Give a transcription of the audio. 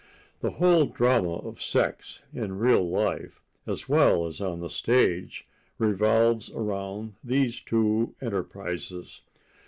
The whole drama of sex, in real life, as well as on the stage, revolves around these two enterprises.